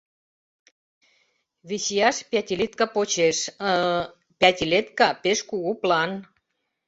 — Вичияш пятилетка почеш... ы-ы... пятилетка пеш кугу план...